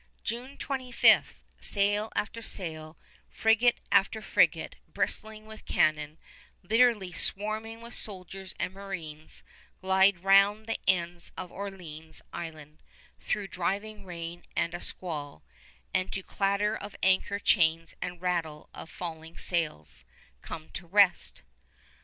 June 25, sail after sail, frigate after frigate bristling with cannon, literally swarming with soldiers and marines, glide round the end of Orleans Island through driving rain and a squall, and to clatter of anchor chains and rattle of falling sails, come to rest.